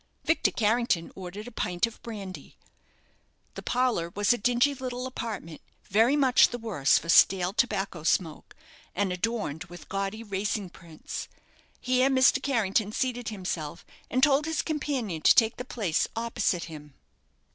Victor Carrington ordered a pint of brandy. The parlour was a dingy little apartment, very much the worse for stale tobacco smoke, and adorned with gaudy racing prints. Here Mr. Carrington seated himself, and told his companion to take the place opposite him.